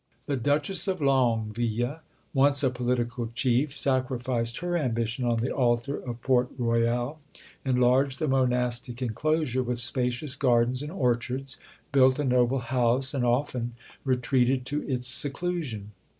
The Duchess of Longueville, once a political chief, sacrificed her ambition on the altar of Port Royal, enlarged the monastic inclosure with spacious gardens and orchards, built a noble house, and often retreated to its seclusion.